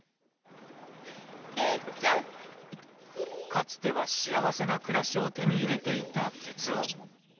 かつては、幸せな暮らしを手に入れていた徹生。